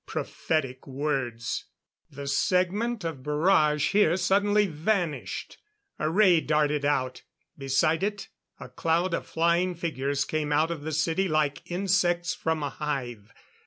Prophetic words! The segment of barrage here suddenly vanished. A ray darted out. Beside it, a cloud of flying figures came out of the city like insects from a hive.